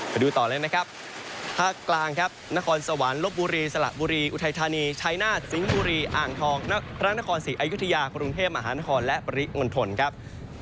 ไปดูต่อเลยนะครับภาคกลางครับนครสวรรค์ลบบุรีสละบุรีอุทัยธานีชัยนาฏสิงห์บุรีอ่างทองพระนครศรีอยุธยากรุงเทพมหานครและปริมณฑลครับ